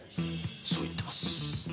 そう言ってます。